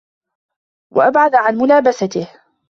وَأَبْعَدَ عَنْ مُلَابَسَتِهِ